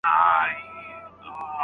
هغه پر خپلو اخلاقو پام نه دی کړی.